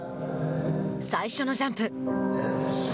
最初のジャンプ。